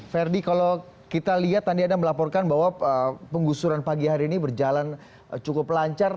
ferdi kalau kita lihat tadi anda melaporkan bahwa penggusuran pagi hari ini berjalan cukup lancar